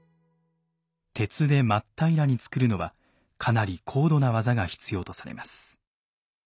鉄でまっ平らに作るのはかなり高度な技が必要とされます。